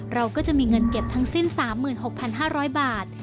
เราก็จะมีเงินเก็บทั้งสิ้น๓๖๕๐๐บาท